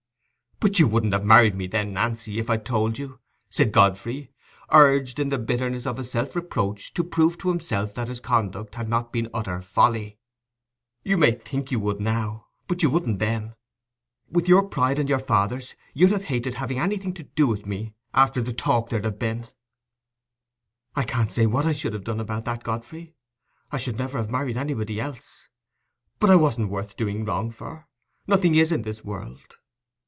"But you wouldn't have married me then, Nancy, if I'd told you," said Godfrey, urged, in the bitterness of his self reproach, to prove to himself that his conduct had not been utter folly. "You may think you would now, but you wouldn't then. With your pride and your father's, you'd have hated having anything to do with me after the talk there'd have been." "I can't say what I should have done about that, Godfrey. I should never have married anybody else. But I wasn't worth doing wrong for—nothing is in this world.